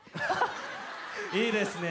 いいですね！